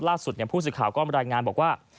ล่าสุดผู้สื่อข่าวก็รายงานบอกว่า